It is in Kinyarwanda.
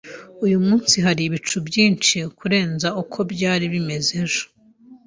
Uyu munsi hari ibicu byinshi kurenza uko byari bimeze ejo.